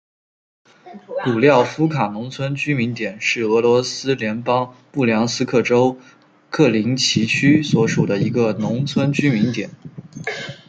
古廖夫卡农村居民点是俄罗斯联邦布良斯克州克林齐区所属的一个农村居民点。